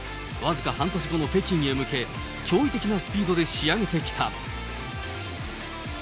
僅か半年後の北京へ向け、驚異的なスピードで仕上げてきた。